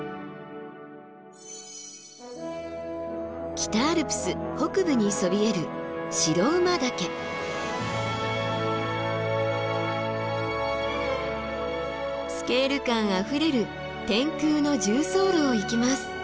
北アルプス北部にそびえるスケール感あふれる天空の縦走路を行きます。